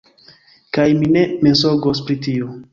Kaj mi ne mensogos pri tio!